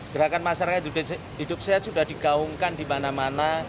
gerakan masyarakat hidup sehat sudah digaungkan di mana mana